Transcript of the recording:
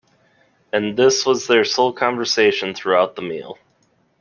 And this was their sole conversation throughout the meal.